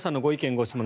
・ご質問